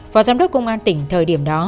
phó giám đốc công an tỉnh thời điểm đó